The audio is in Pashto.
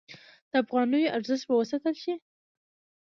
د افغانیو ارزښت به وساتل شي؟